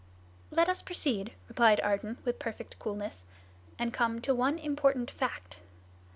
"Let us proceed," replied Ardan, with perfect coolness, "and come to one important fact.